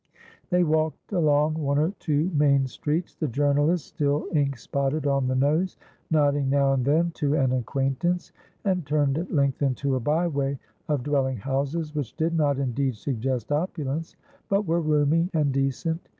They walked along one or two main streets, the journalist, still ink spotted on the nose, nodding now and then to an acquaintance, and turned at length into a by way of dwelling houses, which did not, indeed, suggest opulence, but were roomy and decent.